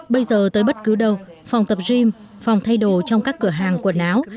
bây giờ tới bất cứ đâu phòng tập gym phòng thay đồ trong các cửa hàng quần áo